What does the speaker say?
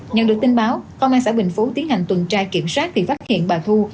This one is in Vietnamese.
nhận được tin báo công an xã bình phú tiến hành tuần tra kiểm soát thì phát hiện bà thu